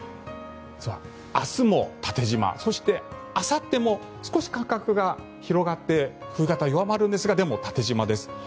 明日も縦じまそして、あさっても少し間隔が広がって冬型は弱まるんですがでも、縦じまです。